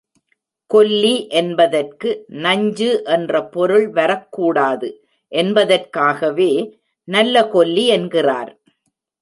கொல்லி என்பதற்கு நஞ்சு என்ற பொருள் வரக்கூடாது என்பதற்காகவே, நல்ல கொல்லி என்கிறார்.